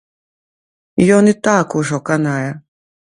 Ён і так ужо канае.